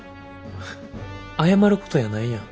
謝ることやないやん。